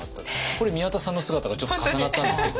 これ宮田さんの姿がちょっと重なったんですけど。